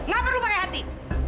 gak perlu pakai hati